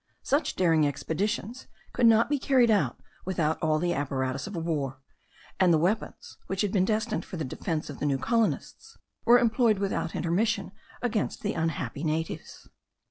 Such daring expeditions could not be carried out without all the apparatus of war; and the weapons, which had been destined for the defence of the new colonists, were employed without intermission against the unhappy natives.